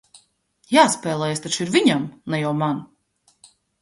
Jāspēlējas taču ir viņam, ne jau man!